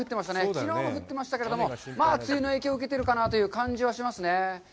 きのうも降ってましたけども、まあ梅雨の影響を受けているかなという感じはしますね。